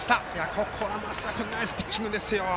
ここは増田君ナイスピッチャーですよ。